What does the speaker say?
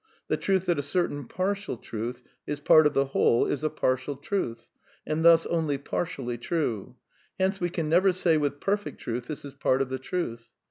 . the truth that a certain partial truth is part of the whole is a partial truth, and thus only partially true; hence we can never say with perfect truth this is part of the Truth.